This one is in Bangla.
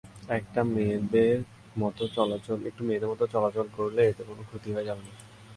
একটু মেয়েদের মতো চলাচল করলে এতে কোন ক্ষতি হয়ে যাবে না।